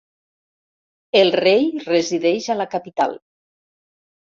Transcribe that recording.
El rei resideix a la capital.